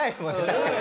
確かに。